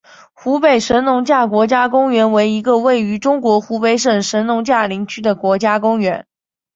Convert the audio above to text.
湖北神农架国家公园为一个位于中国湖北省神农架林区的国家公园。